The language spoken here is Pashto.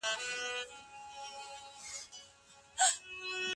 د ټولنيزو رسنيو ضررونه دادی، چي اړيکي ئې تخريب کړي دي.